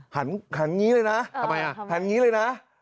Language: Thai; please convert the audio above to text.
หันหันยังนี้เลยนะทำไมน่ะหันยังนี้เลยนะ